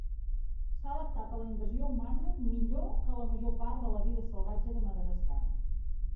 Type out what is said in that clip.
S'ha adaptat a la invasió humana millor que la major part de la vida salvatge de Madagascar.